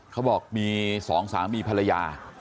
เขาบอกมีสองสามีภรรยา